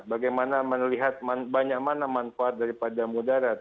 bagaimana melihat banyak mana manfaat daripada mudarat